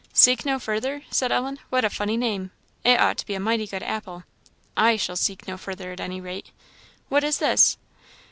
"Seek no further!" said Ellen; "what a funny name. It ought to be a mighty good apple. I shall seek no further, at any rate. What is this?"